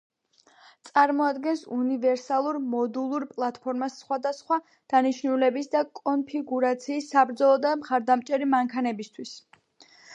წარმოადგენს უნივერსალურ მოდულურ პლატფორმას სხვადასხვა დანიშნულების და კონფიგურაციის საბრძოლო და მხარდამჭერი მანქანებისთვის.